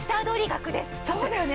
そうだよね！